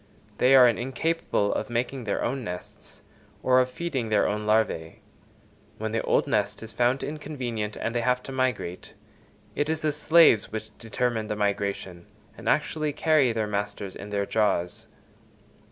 They are incapable of making their own nests, or of feeding their own larvæ. When the old nest is found inconvenient, and they have to migrate, it is the slaves which determine the migration, and actually carry their masters in their jaws.